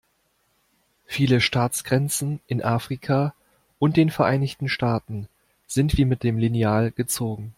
Viele Staatsgrenzen in Afrika und den Vereinigten Staaten sind wie mit dem Lineal gezogen.